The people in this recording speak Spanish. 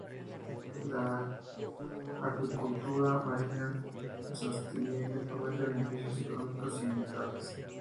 La acuicultura marina sostenible promete beneficios económicos y ambientales.